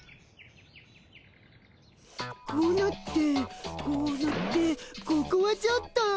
こうなってこうなってここはちょっと。